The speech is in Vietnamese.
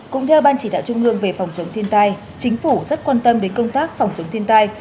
cũng theo ban chỉ đạo trung ương về phòng chống thiên tai chính phủ rất quan tâm đến công tác phòng chống thiên tai